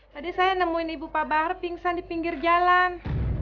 tadi saya nemuin ibu pak bahar pingsan di pinggir jalan